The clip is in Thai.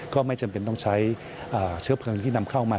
ก็ไม่จำเป็นต้องใช้เชื้อเพลิงที่นำเข้ามา